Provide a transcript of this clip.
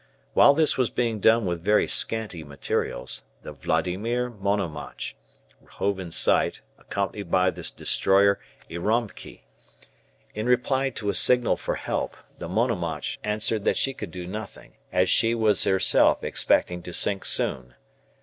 While this was being done with very scanty materials, the "Vladimir Monomach" hove in sight, accompanied by the destroyer "Iromki." In reply to a signal for help, the "Monomach" answered that she could do nothing, as she was herself expecting to sink soon.